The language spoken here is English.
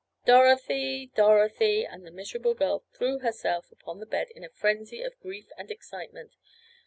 Dorothy! Dorothy!" and the miserable girl threw herself upon the bed in a frenzy of grief and excitement.